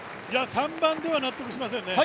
３番では納得しませんね。